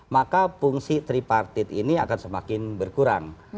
maka fungsi tripartit ini akan semakin berkurang